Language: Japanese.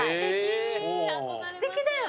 すてきだよね。